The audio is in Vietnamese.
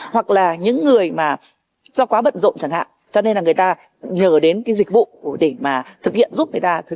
hoặc là những người mà do quá bận rộn chẳng hạn cho nên là người ta nhờ đến cái dịch vụ để mà thực hiện giúp người ta